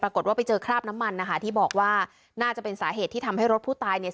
ปรากฏว่าไปเจอคราบน้ำมันนะคะที่บอกว่าน่าจะเป็นสาเหตุที่ทำให้รถผู้ตายเนี่ย